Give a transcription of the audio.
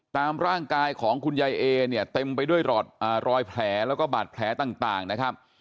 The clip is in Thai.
ตามร่างกายของคุณยายเอเนี่ยเต็มไปด้วยรอยแผลแล้วก็บาดแผลต่างนะครับ